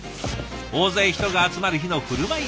大勢人が集まる日の振る舞いランチ。